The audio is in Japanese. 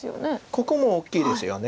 ここも大きいですよね。